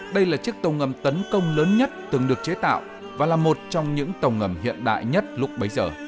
đây là chiếc tàu ngầm tấn công lớn nhất từng được chế tạo và là một trong những tàu ngầm hiện đại nhất lúc bấy giờ